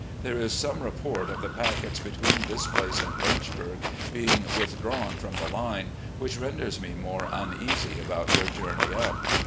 There is some report of the packets between this place and Lynchburg being withdrawn from the line, which renders me more imeasy about your journey up.